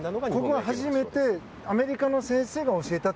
ここが初めてアメリカの先生が教えたと。